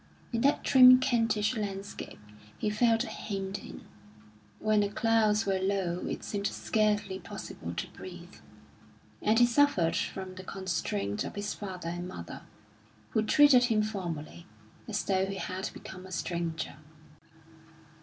In that trim Kentish landscape he felt hemmed in; when the clouds were low it seemed scarcely possible to breathe; and he suffered from the constraint of his father and mother, who treated him formally, as though he had become a stranger.